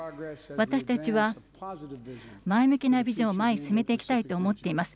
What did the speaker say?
私たちは前向きなビジョンを前へ進めていきたいと思っています。